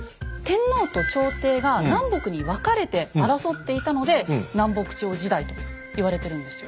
天皇と朝廷が南北に分かれて争っていたので「南北朝時代」と言われてるんですよ。